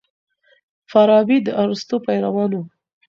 فارابي د ارسطو پیروان و.